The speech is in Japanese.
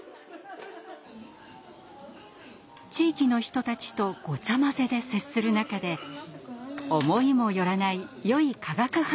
地域の人たちとごちゃまぜで接する中で思いも寄らないよい化学反応が生まれるそうで。